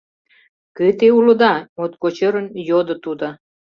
— Кӧ те улыда? — моткоч ӧрын, йодо тудо.